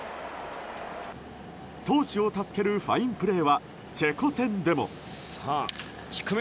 投手を助けるファインプレーはチェコ戦でも。